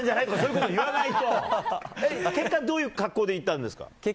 結果、どういう格好で行ったんですか？